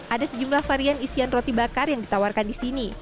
ada sejumlah varian isian roti bakar yang ditawarkan di sini